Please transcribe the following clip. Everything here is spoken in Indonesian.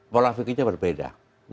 pola pikirnya berbeda